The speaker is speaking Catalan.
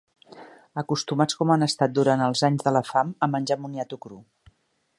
Acostumats com han estat durant els anys de la fam a menjar moniato cru.